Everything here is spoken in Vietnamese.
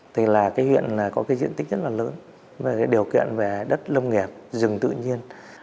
thì là cái huyện là có cái diện tích rất là lớn và cái điều kiện về đất lông nghẹp rừng tự nhiên